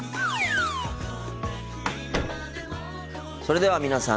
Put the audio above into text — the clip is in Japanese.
それでは皆さん